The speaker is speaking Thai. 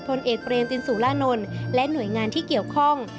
พลเอกเรมตินสุรานนท์และหน่วยงานที่เกี่ยวข้อง